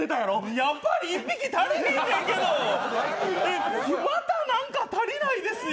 やっぱり１匹足りへんやけどまた何か足りないですよ。